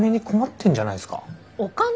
お金？